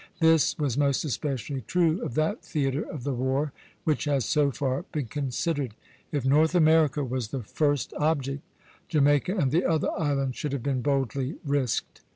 This was most especially true of that theatre of the war which has so far been considered. If North America was the first object, Jamaica and the other islands should have been boldly risked.